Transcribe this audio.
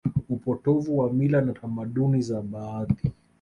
upotovu wa mila na tamaduni za baadhi